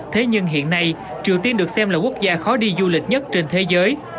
thế nhưng hiện nay triều tiên được xem là quốc gia khó đi du lịch nhất trên thế giới